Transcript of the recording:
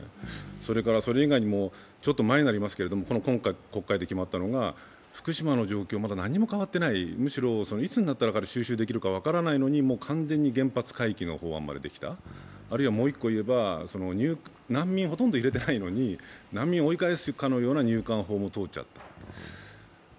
それからそれ以外にも、前になりますけれども、今回、国会で決まったのが、福島の状況、何も変わっていない、むしろいつになったら収拾できるか分からないのに原発回帰の法案ができた、あるいはもう一個言えば、難民をほとんど入れてないのに難民を追い返すかのような入管法も通っちゃった。